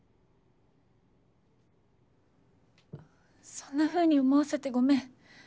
そんなふうに思わせてごめん